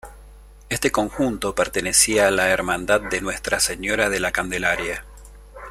Este conjunto pertenecía a la Hermandad de Nuestra Señora de la Candelaria.